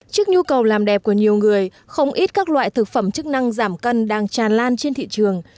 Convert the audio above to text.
trước nhu cầu làm đẹp của nhiều người không ít các loại thực phẩm chức năng giảm cân đang tràn lan trên thị trường